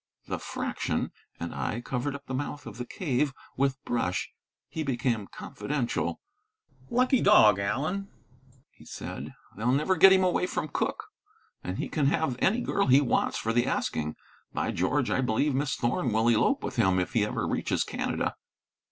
The Fraction and I covered up the mouth of the cave with brush. He became confidential. "Lucky dog, Allen!" he said. "They'll never get him away from Cooke. And he can have any girl he wants for the asking. By George! I believe Miss Thorn will elope with him if he ever reaches Canada."